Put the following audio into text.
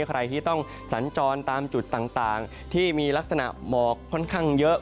ใครที่ต้องสัญจรตามจุดต่างที่มีลักษณะหมอกค่อนข้างเยอะ